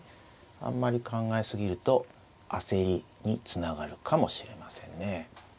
あんまり考え過ぎると焦りにつながるかもしれませんね。